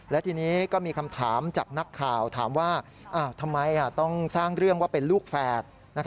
และทีนี้ก็มีคำถามจากนักข่าวถามว่าทำไมต้องสร้างเรื่องว่าเป็นลูกแฝด